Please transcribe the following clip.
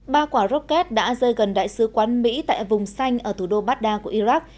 ba quả rocket đã rơi gần đại sứ quán mỹ tại vùng xanh ở thủ đô baghdad của iraq